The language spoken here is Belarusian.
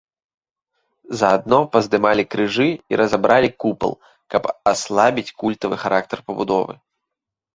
Заадно паздымалі крыжы і разабралі купал, каб аслабіць культавы характар пабудовы.